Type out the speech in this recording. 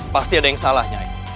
pasti ada yang salah nyai